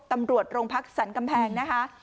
ตำรวจโรงพักษณ์สรรค์กำแพงนะคะ